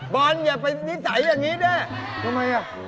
บอสอย่าเป็นนิสัยอย่างนี้ด้วย